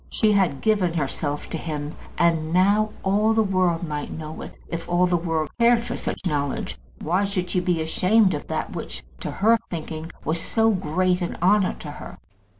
She had given herself to him; and now all the world might know it, if all the world cared for such knowledge. Why should she be ashamed of that which, to her thinking, was so great an honour to her?